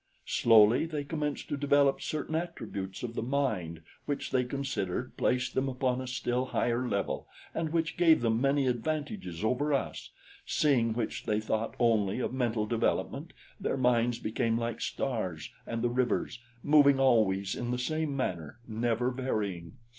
Slowly they commenced to develop certain attributes of the mind which, they considered, placed them upon a still higher level and which gave them many advantages over us, seeing which they thought only of mental development their minds became like stars and the rivers, moving always in the same manner, never varying.